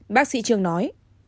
bác sĩ trương nói